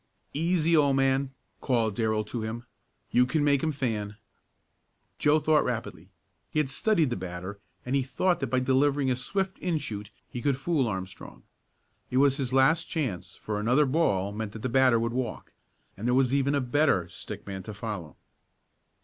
"Easy, old man!" called Darrell to him. "You can make him fan." Joe thought rapidly. He had studied the batter and he thought that by delivering a swift in shoot he could fool Armstrong. It was his last chance, for another ball meant that the batter would walk, and there was even a better stick man to follow.